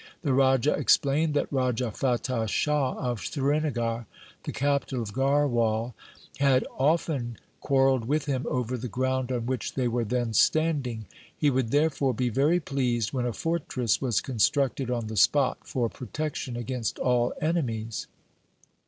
The Raja explained that Raja Fatah Shah of Srinagar, the capital of Garhwal, had often quarrelled with him over the ground on which they were then standing. He would therefore be very pleased when a fortress was constructed on the spot for protection against all enemies.